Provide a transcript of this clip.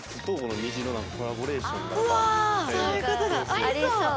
ありそう。